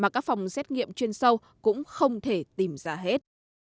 các phòng xét nghiệm chuyên sâu cũng không thể tìm ra hết